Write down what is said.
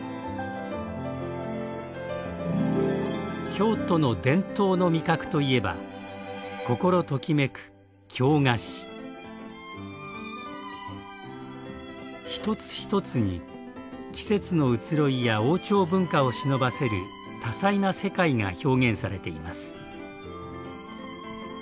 京都の伝統の味覚といえば一つ一つに季節の移ろいや王朝文化をしのばせる多彩な世界が表現されています。